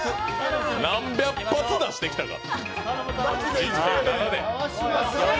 何百発、出してきたか。